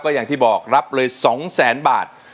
อย่างที่บอกรับเลย๒แสนบาท